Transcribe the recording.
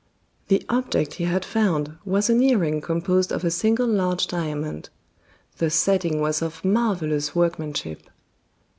The object he had found was an earring composed of a single large diamond. The setting was of marvelous workmanship.